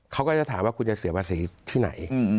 เขาก็จะถามว่าคุณจะเสียภาษีที่ไหน